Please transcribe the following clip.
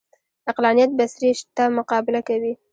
عقلانیت بڅري شته مقابله کوي